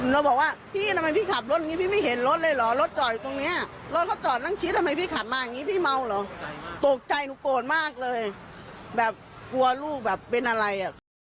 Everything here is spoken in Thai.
แล้วบอกว่าพี่ทำไมพี่ขับรถพี่ไม่เห็นรถเลยเหรอรถจออยู่ตรงเนี่ย